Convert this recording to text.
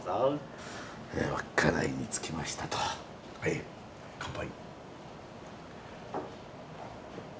稚内に着きましたとはい乾杯。